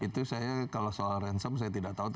itu saya kalau soal ransom saya tidak tahu